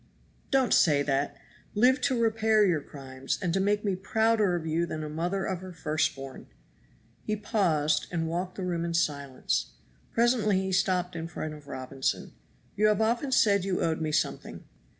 "Don't say that; live to repair your crimes and to make me prouder of you than a mother of her first born." He paused and walked the room in silence. Presently he stopped in front of Robinson. "You have often said you owed me something."